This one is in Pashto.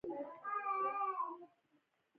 د رایې په مقابل کې کلاشینکوف سنګر نیولی دی.